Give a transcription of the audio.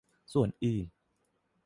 ส่วนอื่น